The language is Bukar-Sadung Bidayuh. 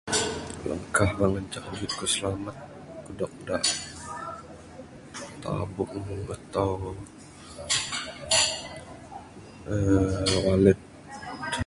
Langkah ra ngancak duit ku slamat kudog da tabung atau uhh wallet.